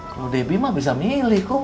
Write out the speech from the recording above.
kalau debbie mah bisa milih kok